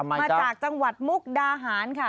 มาจากจังหวัดมุกดาหารค่ะ